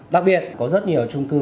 đặc biệt có rất nhiều trung cư